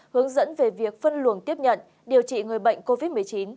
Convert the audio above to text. hướng dẫn về việc phân luồng tiếp nhận điều trị người bệnh covid một mươi chín